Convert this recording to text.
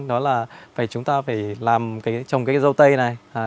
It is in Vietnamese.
đó là chúng ta phải trồng dâu tây này